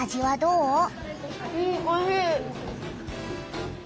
うんおいしい！